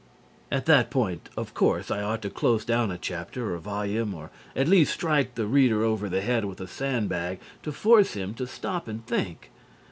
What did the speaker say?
At that point, of course, I ought to close down a chapter, or volume, or, at least, strike the reader over the head with a sandbag to force him to stop and think.